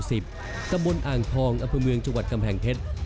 กระบวนอ่างทองอัพพมืองจังหวัดกำแห่งเพชร